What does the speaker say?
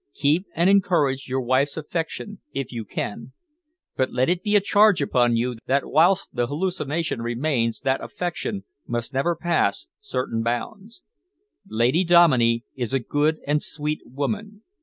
Keep and encourage your wife's affection if you can, but let it be a charge upon you that whilst the hallucination remains that affection must never pass certain bounds. Lady Dominey is a good and sweet woman.